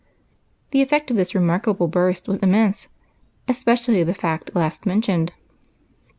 The effect of this remarkable burst was immense, especially the fact last mentioned.